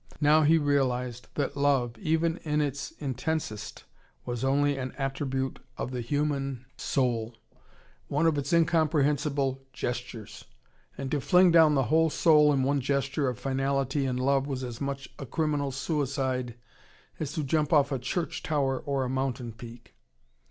Now he realised that love, even in its intensest, was only an attribute of the human soul: one of its incomprehensible gestures. And to fling down the whole soul in one gesture of finality in love was as much a criminal suicide as to jump off a church tower or a mountain peak.